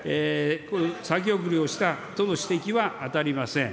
先送りをしたとの指摘は、当たりません。